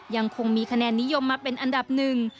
ยังคงมีคะแนนนิยมมาเป็นอันดับหนึ่ง